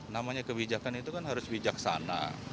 namanya kebijakan itu kan harus bijaksana